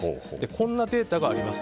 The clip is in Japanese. こんなデータがあります。